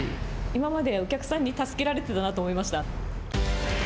今までお客さんに助けられてたなと思いました。